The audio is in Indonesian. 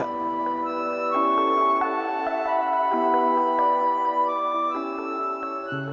kayanya apa opa devin ngerti